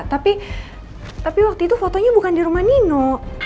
tapi tapi waktu itu fotonya bukan di rumah nino